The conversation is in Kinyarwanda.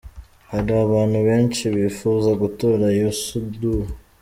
Hari abantu benshi bifuza gutora Youssou Ndour.